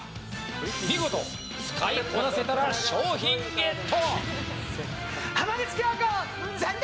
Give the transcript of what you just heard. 見事使いこなせたら商品ゲット。